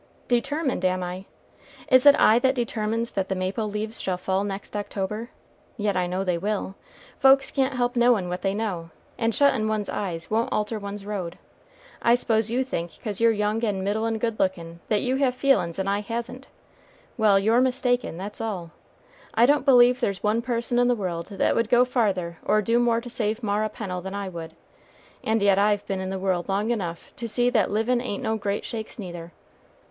"Determined, am I? Is it I that determines that the maple leaves shall fall next October? Yet I know they will folks can't help knowin' what they know, and shuttin' one's eyes won't alter one's road. I s'pose you think 'cause you're young and middlin' good lookin' that you have feelin's and I hasn't; well, you're mistaken, that's all. I don't believe there's one person in the world that would go farther or do more to save Mara Pennel than I would, and yet I've been in the world long enough to see that livin' ain't no great shakes neither.